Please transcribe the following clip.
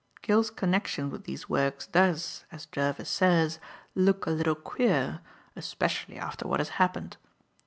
Gill's connection with these works does, as Jervis says, look a little queer, especially after what has happened.